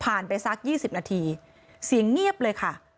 ผ่านไปสักยี่สิบนาทีเสียงเงียบเลยค่ะ